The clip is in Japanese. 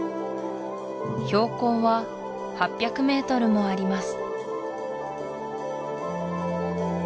標高は８００メートルもあります